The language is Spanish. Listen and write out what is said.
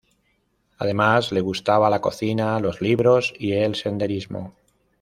Además, le gustaba la cocina, los libros y el senderismo.